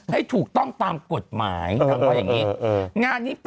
ให้ถูกต้องตามกฎหมายนางว่าอย่างนี้